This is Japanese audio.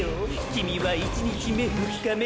キミは１日目２日目